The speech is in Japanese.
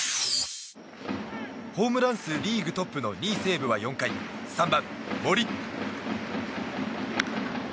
ホームラン数リーグトップの２位、西武は３番、森。